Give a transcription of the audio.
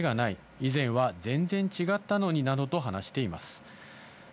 以前は全然違ったのになどと話しています。